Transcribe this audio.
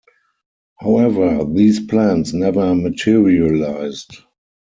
However, these plans never materialised.